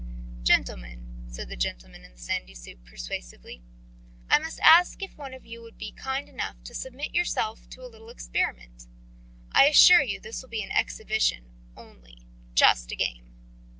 "Gentlemen," said the gentleman in the sandy suit persuasively, "I must ask if one of you would be kind enough to submit himself to a little experiment. I assure you this will be an exhibition only, just a game."